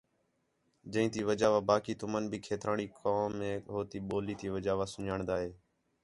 جئی تی وجہ وا باقی تُمن بھی کھیترانی قوم ک ہوتی ٻولی تی وجہ واسناݨ دی ہے